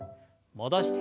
戻して。